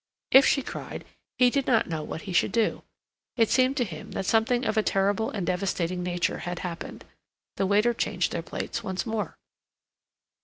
If she cried, he did not know what he should do. It seemed to him that something of a terrible and devastating nature had happened. The waiter changed their plates once more.